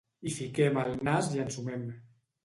Hi fiquem el nas i ensumem.